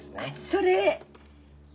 それ。